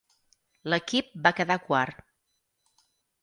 L'equip va quedar quart.